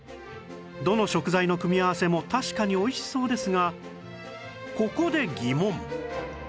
どの食材の組み合わせも確かに美味しそうですがここで疑問